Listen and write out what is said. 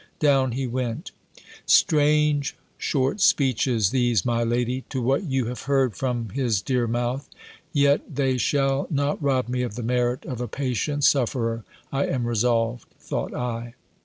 Down he went. Strange short speeches, these, my lady, to what you have heard from his dear mouth! "Yet they shall not rob me of the merit of a patient sufferer, I am resolved," thought I.